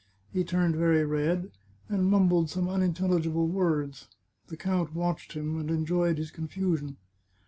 He turned very red, and mumbled some unintelligible words. The count watched him, and enjoyed his confusion.